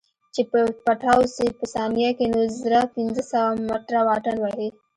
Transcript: چې پټاو سي په ثانيه کښې نو زره پنځه سوه مټره واټن وهي.